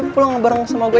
yaudah pulang bareng sama gue